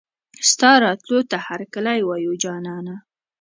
ستا راتلو ته هرکلی وايو جانانه